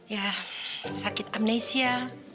ya sakit amnesia